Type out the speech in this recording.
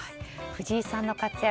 藤井さんの活躍